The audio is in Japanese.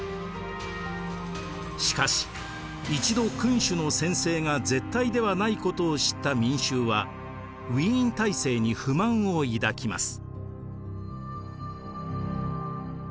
しかし一度君主の専制が絶対ではないことを知った民衆はウィーン体制に不満を抱きます。